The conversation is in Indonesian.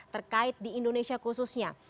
terkait di indonesia khususnya